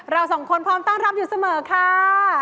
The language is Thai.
เราสองคนพร้อมต้อนรับอยู่เสมอค่ะ